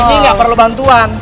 ini enggak perlu bantuan